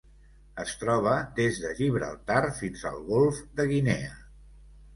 Es troba des de Gibraltar fins al Golf de Guinea.